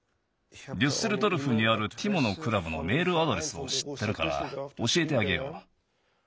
デュッセルドルフにあるティモのクラブのメールアドレスをしってるからおしえてあげよう。